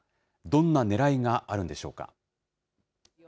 どんなねらいがあるんでしょうか。